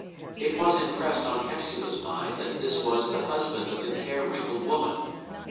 It was impressed on Hepzibah's mind that this was the husband of the care wrinkled woman.